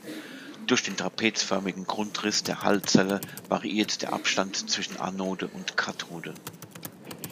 Durch den trapezförmigen Grundriss der Hull-Zelle variiert der Abstand zwischen Anode und Kathode.